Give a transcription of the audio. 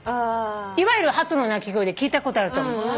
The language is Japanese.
いわゆるハトの鳴き声で聞いたことあると思う。